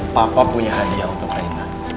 papa punya hadiah untuk raina